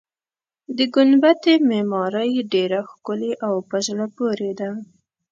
د ګنبدې معمارۍ ډېره ښکلې او په زړه پورې ده.